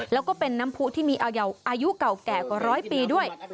แล้วก็เป็นน้ำผู้ที่มีอายุเก่าแก่กว่าร้อยปีด้วย